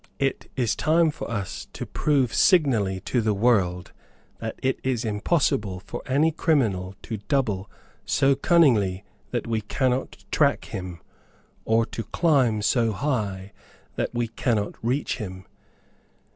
It is time for us to prove signally to the world that it is impossible for any criminal to double so cunningly that we cannot track him, or to climb so high that we cannot reach him.